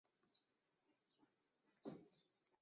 涩谷站西侧丘陵地的繁华街。